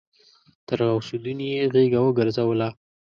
تر غوث الدين يې غېږه وګرځوله.